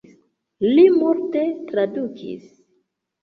Li multe tradukis.